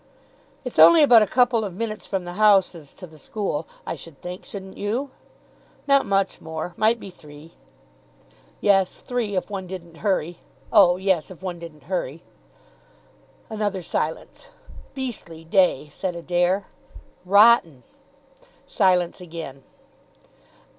"It's only about a couple of minutes from the houses to the school, I should think, shouldn't you?" "Not much more. Might be three." "Yes. Three if one didn't hurry." "Oh, yes, if one didn't hurry." Another silence. "Beastly day," said Adair. "Rotten." Silence again.